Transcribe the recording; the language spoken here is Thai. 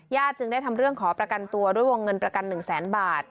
จึงได้ทำเรื่องขอประกันตัวด้วยวงเงินประกัน๑แสนบาท